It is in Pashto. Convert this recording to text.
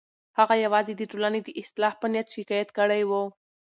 هغې یوازې د ټولنې د اصلاح په نیت شکایت کړی و.